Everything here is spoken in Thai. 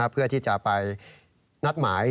เพื่อที่จะไปนัดหมาย